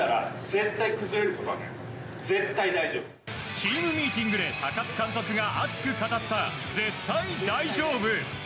チームミーティングで高津監督が熱く語った絶対大丈夫。